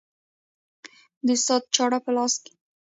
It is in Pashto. د استاد چاړه په لاس کې